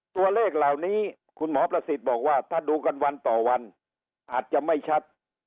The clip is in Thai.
ตัวเลขเหล่านี้คุณหมอประสิทธิ์บอกว่าถ้าดูกันวันต่อวันอาจจะไม่ชัด